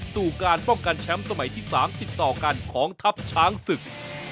สู่การป้องกันแชมป์สมัยที่๓ติดต่อกันของทัพช้างศึก